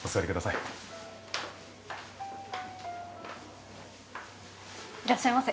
いらっしゃいませ。